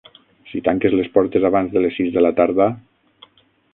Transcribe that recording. Si tanques les portes abans de les sis de la tarda.